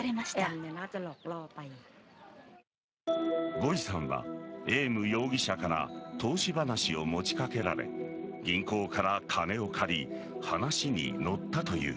ゴイさんはエーム容疑者から投資話を持ちかけられ銀行から金を借り話に乗ったという。